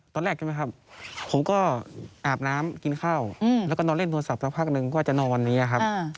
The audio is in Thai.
ตอนแรกใช่ไหมครับผมก็อาบน้ำกินข้าวแล้วก็นอนเล่นโทรศัพท์สักพักหนึ่งก็จะนอนอย่างนี้ครับ